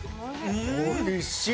おいしい！